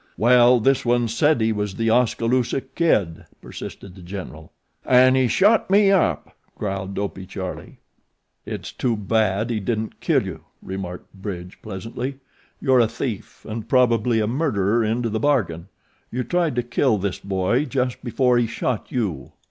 "Well, this one said he was The Oskaloosa Kid," persisted The General. "An' he shot me up," growled Dopey Charlie. "It's too bad he didn't kill you," remarked Bridge pleasantly. "You're a thief and probably a murderer into the bargain you tried to kill this boy just before he shot you."